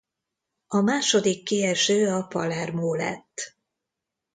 A második kieső a Palermo lett.